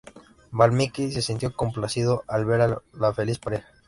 Valmiki se sintió complacido al ver a la feliz pareja.